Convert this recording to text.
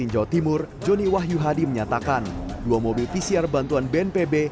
jawa timur joni wahyu hadi menyatakan dua mobil pcr bantuan bnpb